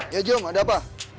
ya jom ada apa